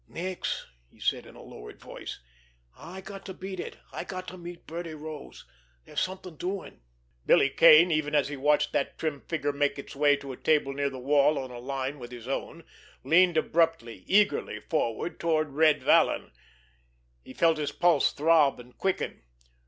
"Nix!" he said in a lowered voice. "I got to beat it—I got to meet Birdie Rose. There's something doing." Billy Kane, even as he watched that trim figure make its way to a table near the wall on a line with his own, leaned abruptly, eagerly forward, toward Red Vallon. He felt his pulse throb and quicken.